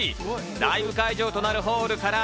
ライブ会場となるホールから